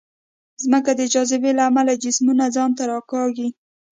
ځمکه د جاذبې له امله جسمونه ځان ته راکاږي.